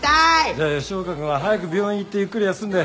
じゃあ吉岡君は早く病院行ってゆっくり休んで。